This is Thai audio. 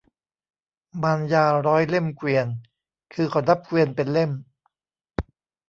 มารยาร้อยเล่มเกวียน คือเขานับเกวียนเป็นเล่ม